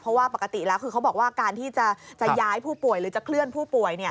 เพราะว่าปกติแล้วคือเขาบอกว่าการที่จะย้ายผู้ป่วยหรือจะเคลื่อนผู้ป่วย